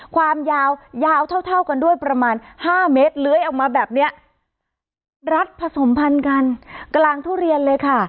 ความยาวยาวเท่าเท่ากันด้วยประมาณห้าเมตรเลื้อยออกมาแบบเนี้ยรัดผสมพันธุ์กันกลางทุเรียนเลยค่ะ